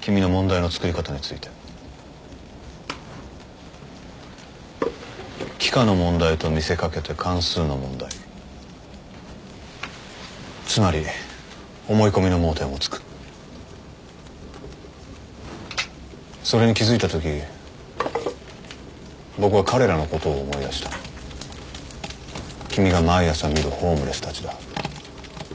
君の問題の作り方について幾何の問題と見せかけて関数の問題つまり思い込みの盲点を突くそれに気づいた時僕は彼らのことを思い出した君が毎朝見るホームレスたちだ